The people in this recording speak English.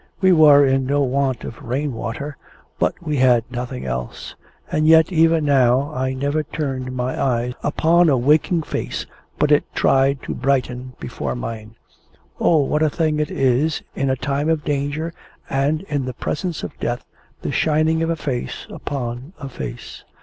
We were in no want of rain water, but we had nothing else. And yet, even now, I never turned my eyes upon a waking face but it tried to brighten before mine. O, what a thing it is, in a time of danger and in the presence of death, the shining of a face upon a face!